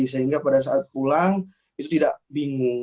sehingga pada saat pulang itu tidak bingung